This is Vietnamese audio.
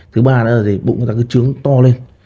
thứ ba là bụng người ta cứ trướng to lên